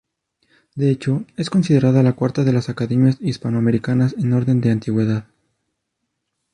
De hecho, es considerada la cuarta de las Academias hispanoamericanas en orden de antigüedad.